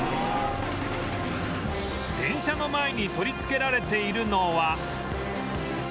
電車の前に取り付けられているのは